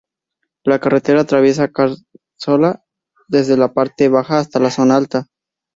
La carretera atraviesa Cazorla desde la parte baja hasta la zona alta.